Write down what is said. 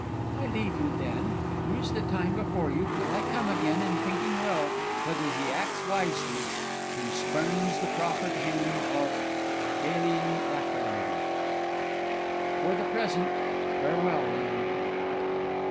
"I leave you, then. Use the time before you till I come again in thinking well whether he acts wisely who spurns the proffered hand of Idalian Aphrodite. For the present, farewell, Leander!"